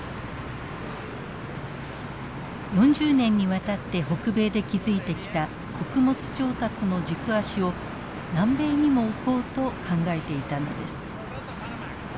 ４０年にわたって北米で築いてきた穀物調達の軸足を南米にも置こうと考えていたのです。